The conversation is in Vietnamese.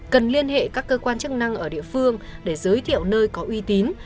cần liên hệ các cơ quan chức năng ở địa phương để giới thiệu nơi có uy tín